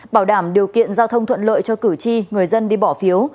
bảo đảm điều kiện giao thông thuận lợi cho cử tri người dân đi bỏ phiếu